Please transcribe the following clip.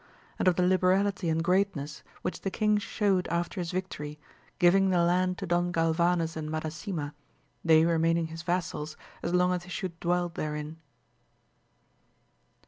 And of the liberalitj and greatness which the king showed after his victory, giving the land to Don Gklvanes and Madasima, they remain ing his vassals as long as they should dwell therein.